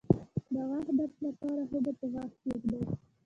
د غاښ درد لپاره هوږه په غاښ کیږدئ